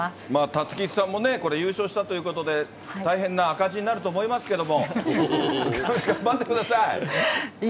たつ吉さんもこれ、優勝したということで、大変な赤字になると思いますけども、頑張ってください。